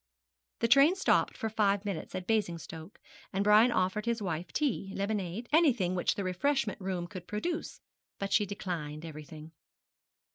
The train stopped for five minutes at Basingstoke, and Brian offered his wife tea, lemonade, anything which the refreshment room could produce, but she declined everything.